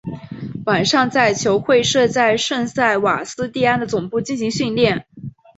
晚上在球会设在圣塞瓦斯蒂安的总部进行训练。